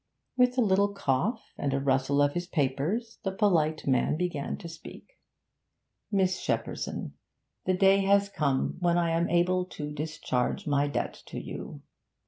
With a little cough and a rustle of his papers, the polite man began to speak 'Miss Shepperson, the day has come when I am able to discharge my debt to you.